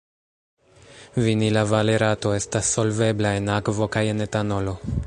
Vinila valerato estas solvebla en akvo kaj en etanolo.